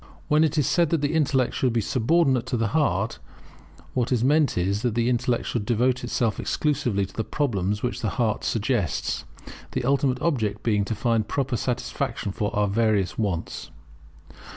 When it is said that the intellect should be subordinate to the heart, what is meant is, that the intellect should devote itself exclusively to the problems which the heart suggests, the ultimate object being to find proper satisfaction for our various wants.